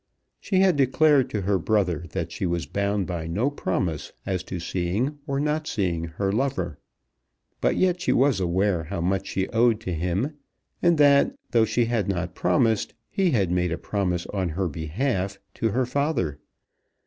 She had declared to her brother that she was bound by no promise as to seeing or not seeing her lover, but yet she was aware how much she owed to him, and that, though she had not promised, he had made a promise on her behalf, to her father.